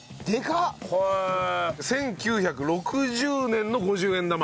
１９６０年の５０円玉。